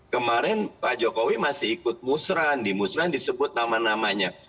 kemarin pak jokowi masih ikut musran di musran disebut nama namanya